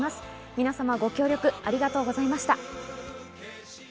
皆様、ご協力ありがとうございました。